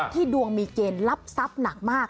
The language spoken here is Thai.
ดวงมีเกณฑ์รับทรัพย์หนักมาก